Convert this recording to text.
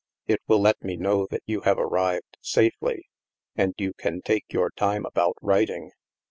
It will let me know that you have arrived safely, and you can take your time about writing.